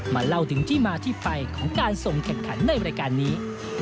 เล่าถึงที่มาที่ไปของการส่งแข่งขันในรายการนี้